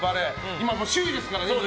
今、首位ですからね。